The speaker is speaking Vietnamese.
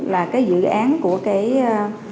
là cái dự án của cái